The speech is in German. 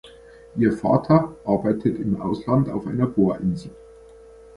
Ihr Vater arbeitet im Ausland auf einer Bohrinsel.